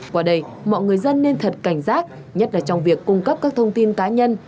qua đây mọi người dân nên thật cảnh giác nhất là trong việc cung cấp các thông tin cá nhân